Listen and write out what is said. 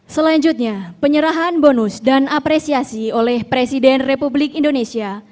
selanjutnya penyerahan bonus dan apresiasi oleh presiden republik indonesia